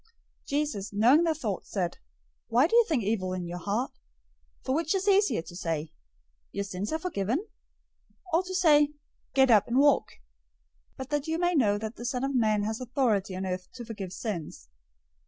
009:004 Jesus, knowing their thoughts, said, "Why do you think evil in your hearts? 009:005 For which is easier, to say, 'Your sins are forgiven;' or to say, 'Get up, and walk?' 009:006 But that you may know that the Son of Man has authority on earth to forgive sins..."